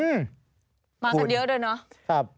มากันเยอะด้วยเนอะ